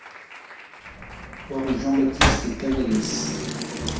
trois rue Jean Baptiste Cavaillés